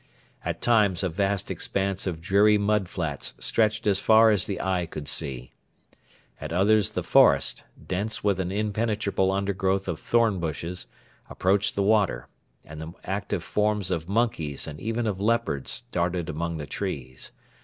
At times a vast expanse of dreary mud flats stretched as far as the eye could see. At others the forest, dense with an impenetrable undergrowth of thorn bushes, approached the water, and the active forms of monkeys and even of leopards darted among the trees.